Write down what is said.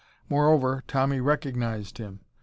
Moreover, Tommy recognized him.